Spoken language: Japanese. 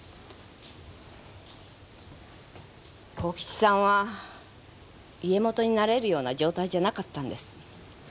幸吉さんは家元になれるような状態じゃなかったんです。